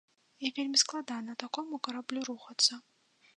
І вельмі складана такому караблю рухацца.